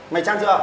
mày chan chưa